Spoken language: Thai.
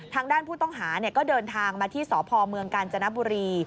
ทางด้านผู้ต้องหาก็เดินทางมาที่สพเมืองกาญจนบุรี